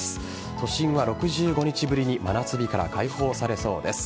都心は６５日ぶりに真夏日から解放されそうです。